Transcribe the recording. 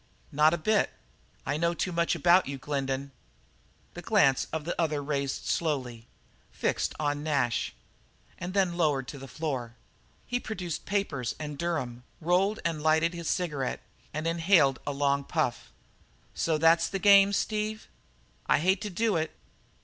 "Not a bit. I know too much about you, Glendin." The glance of the other raised slowly, fixed on Nash, and then lowered to the floor. He produced papers and Durham, rolled and lighted his cigarette, and inhaled a long puff. "So that's the game, Steve?" "I hate to do it."